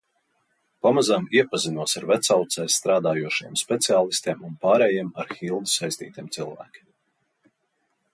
Pamazām iepazinos ar Vecaucē strādājošajiem speciālistiem un pārējiem ar Hildu saistītiem cilvēkiem.